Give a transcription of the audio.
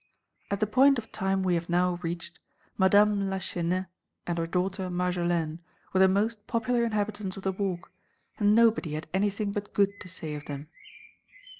At the point of time we have now reached, Madame Lachesnais and her daughter, Marjolaine, were the most popular inhabitants of the Walk, and nobody had anything but good to say of them.